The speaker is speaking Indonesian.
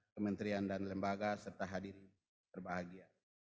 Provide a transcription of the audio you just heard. kementerian dan lembaga serta hadir berbahagia